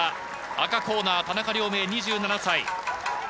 赤コーナー、田中亮明、２７歳。